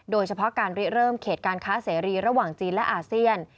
โดยเฉพาะการริเริ่มเขตการค้าเสรีระหว่างจีนและอาเซียน